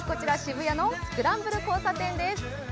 渋谷のスクランブル交差点です。